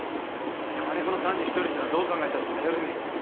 山猫の三次独りじゃどう考えたって頼りねえ。